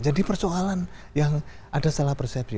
jadi persoalan yang ada salah persepsi